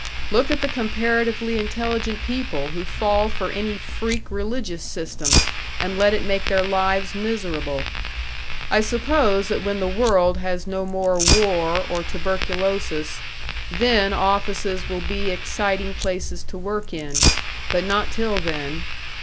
Look at the comparatively intelligent people who fall for any freak religious system and let it make their lives miserable. I suppose that when the world has no more war or tuberculosis, then offices will be exciting places to work in but not till then.